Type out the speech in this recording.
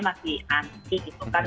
masih anti gitu kan